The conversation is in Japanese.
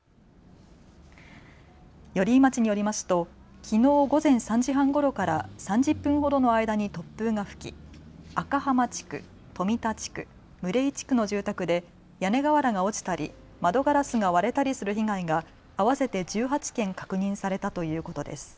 寄居町によりますときのう午前３時半ごろから３０分ほどの間に突風が吹き赤浜地区、富田地区、牟礼地区の住宅で屋根瓦が落ちたり窓ガラスが割れたりする被害が合わせて１８件確認されたということです。